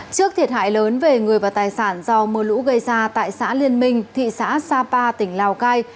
trước thiệt hại lớn về người và tài sản do mưa lũ gây ra tại xã liên minh thị xã sapa tỉnh lào cai